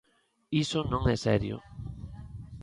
Iso non é serio.